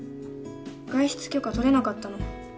外出許可取れなかったの。